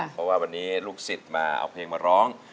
เพราะว่าวันนี้ลูกศิษย์มาเอาเพลงมาร้อง